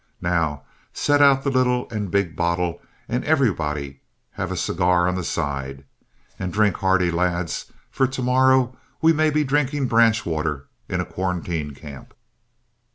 Now, set out the little and big bottle and everybody have a cigar on the side. And drink hearty, lads, for to morrow we may be drinking branch water in a quarantine camp."